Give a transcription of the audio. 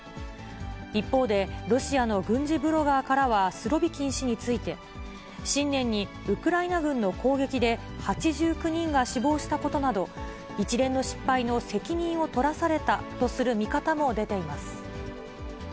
一方で、ロシアの軍事ブロガーからはスロビキン氏について、新年にウクライナ軍の攻撃で８９人が死亡したことなど、一連の失敗の責任を取らされたとする見方も出ています。